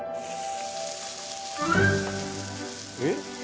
えっ？